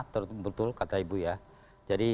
terutama kata ibu ya jadi